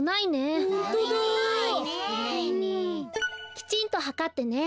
きちんとはかってね。